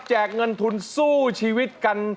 เงินทุนสู้ชีวิตกัน